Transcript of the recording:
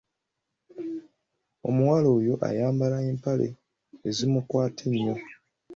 Omuwala oyo ayambala empale ezimukwata ennyo.